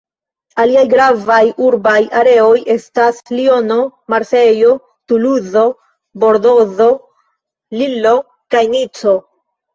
Aliaj gravaj urbaj areoj estas Liono, Marsejlo, Tuluzo, Bordozo, Lillo kaj Nico.